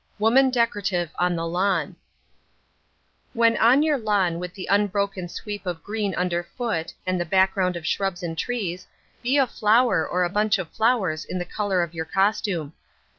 WOMAN DECORATIVE ON THE LAWN When on your lawn with the unbroken sweep of green under foot and the background of shrubs and trees, be a flower or a bunch of flowers in the colour of your costume.